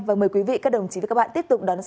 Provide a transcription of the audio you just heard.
hãy xem các chương trình khác của chúng tôi trên antv